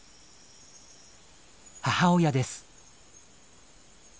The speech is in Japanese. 母親です。